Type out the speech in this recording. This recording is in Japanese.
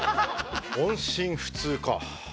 音信不通か。